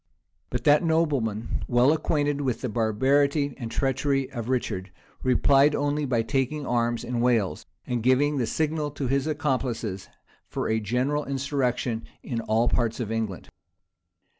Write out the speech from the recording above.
But that nobleman, well acquainted with the barbarity and treachery of Richard, replied only by taking arms in Wales, and giving the signal to his accomplices for a general insurrection in all parts of England.